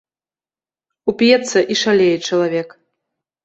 Уп'ецца і шалее чалавек.